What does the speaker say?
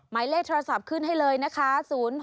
หมายเลขโทรศัพท์ขึ้นให้เลยนะคะ๐๖๒๑๘๖๖๖๓๐